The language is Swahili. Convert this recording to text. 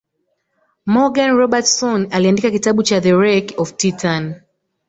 Morgan Robertson aliandika kitabu cha The Wreck Of Titan